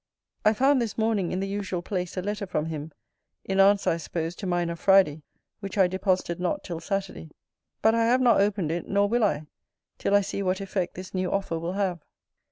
I found this morning, in the usual place, a letter from him, in answer, I suppose, to mine of Friday, which I deposited not till Saturday. But I have not opened it; nor will I, till I see what effect this new offer will have.